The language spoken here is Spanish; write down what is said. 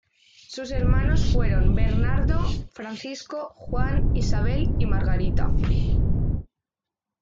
Sus hermanos fueron Bernardo, Francisco, Juan, Isabel y Margarita.